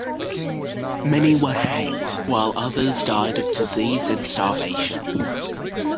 Many were hanged, while others died of disease and starvation.